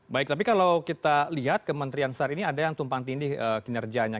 baik tapi kalau kita lihat kementerian sar ini ada yang tumpang tindih kinerjanya